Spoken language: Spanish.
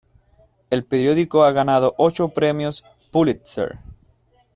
El periódico ha ganado ocho Premios Pulitzer.